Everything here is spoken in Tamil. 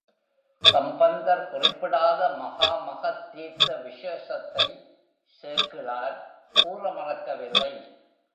சம்பந்தர் குறிப்பிடாத மகாமகத் தீர்த்த விசேஷத்தைச் சேக்கிழார் கூற மறக்கவில்லை.